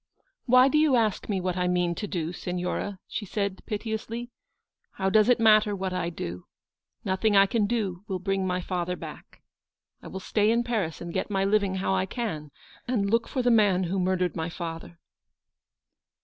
"Why do you ask me what I mean to do, Signora ?" she said piteously. " How does it matter what I do ? Nothing I can do will bring my father back. I will stay in Paris, and get my living how I can, and look for the man who mur dered my father."